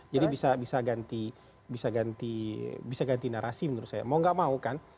jadi bisa ganti narasi menurut saya mau gak mau kan